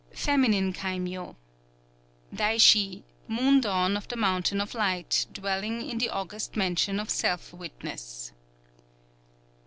_ [FEMININE KAIMYŌ] _Daishi, Moon Dawn of the Mountain of Light, dwelling in the August Mansion of Self witness.